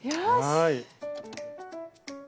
はい。